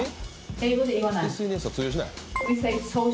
英語で言わない。